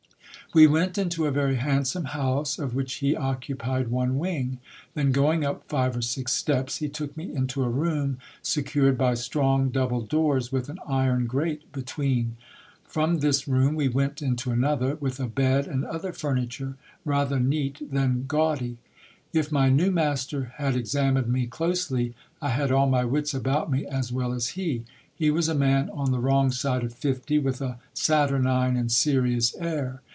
We went into a very handsome house, of which he occupied one wing ; then going up five or six steps, he took me into a room secured by strong double doors, with an iron grate between. From this room we went into' another, with a bed and other furniture, rather neat than gaudy. If my new master had examined me closely, I had all my wits about me as well as he. He was a man on the wrong side of fifty, with a saturnine and serious air.